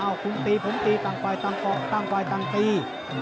เอากุญตีผมต้องไปต่างตี